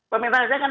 pemerintah saja kan